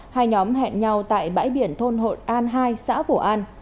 hai nhóm hẹn nhau tại bãi biển thôn hội an hai xã phổ an